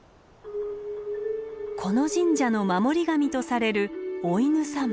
この神社の守り神とされるおいぬ様。